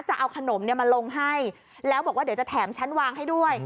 จะเอาขนมมาลงให้แล้วบอกว่าเดี๋ยวจะแถมชั้นวางให้ด้วย